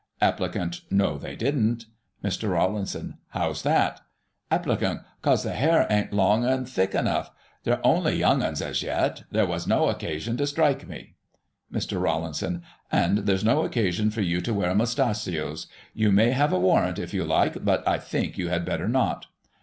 Applicant: No, they didn't. Mr. Rawlinson: How's that? Applicant: 'Cos the hair ain't long and thick enough; they're only young 'uns as yet There was no occasion to strike me. Mr. Rawlinson: And there's no occasion for you to wear mustachios. You may have a warrant, if you like, but I think you had better not.